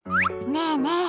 ねえねえ